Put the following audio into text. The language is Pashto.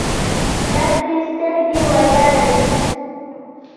ډکې سترګې ولاړې